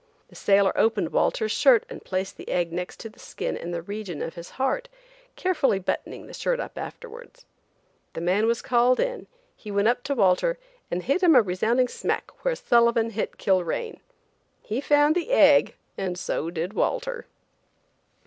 The sailor opened Walter's shirt and placed the egg next to the skin in the region of his heart, carefully buttoning the shirt afterwards. The man was called in, he went up to Walter and hit him a resounding smack where Sullivan hit Kilrain. He found the egg and so did Walter!